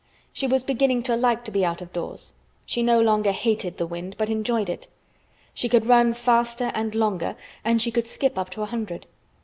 She was beginning to like to be out of doors; she no longer hated the wind, but enjoyed it. She could run faster, and longer, and she could skip up to a hundred.